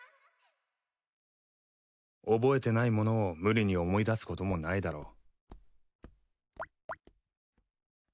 覚えてないものを無理に思い出すこともないだろう。